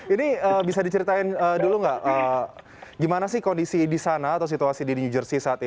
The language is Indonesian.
ini bisa diceritain dulu nggak gimana sih kondisi di sana atau situasi di new jersey saat ini